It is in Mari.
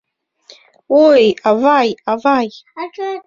Ой, авай, авай